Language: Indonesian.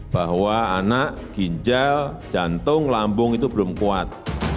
bahwa anak ginjal jantung lambung itu belum kuat